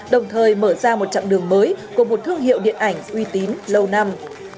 đồng thời mở ra một chặng đường mới của một thương hiệu điện ảnh uy tín lâu năm